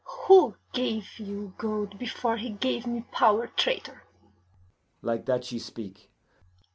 'Who gave you gold before he gave me power, traitor?' Like that she speak.